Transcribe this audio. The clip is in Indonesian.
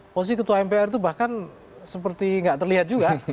posisi ketua mpr itu bahkan seperti nggak terlihat juga